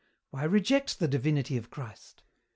Why reject the divinity of Christ?